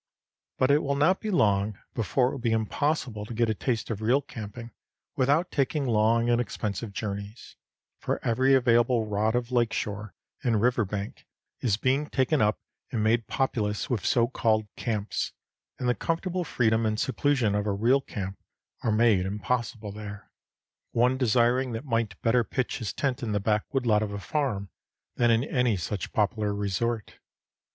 But it will not be long before it will be impossible to get a taste of real camping without taking long and expensive journeys, for every available rod of lake shore and river bank is being taken up and made populous with so called camps, and the comfortable freedom and seclusion of a real camp are made impossible there. One desiring that might better pitch his tent in the back woodlot of a farm than in any such popular resort.